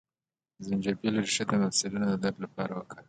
د زنجبیل ریښه د مفصلونو د درد لپاره وکاروئ